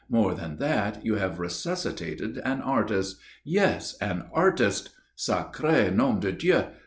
More than that, you have resuscitated an artist. Yes, an artist. _Sacré nom de Dieu!